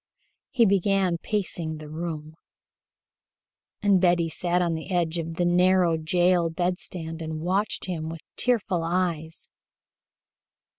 He began pacing the room, and Betty sat on the edge of the narrow jail bedstead and watched him with tearful eyes.